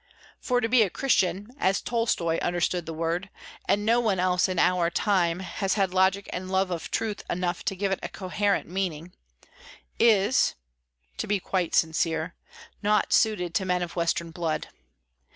For to be a Christian, as Tolstoy understood the word—and no one else in our time has had logic and love of truth enough to give it coherent meaning—is (to be quite sincere) not suited to men of Western blood.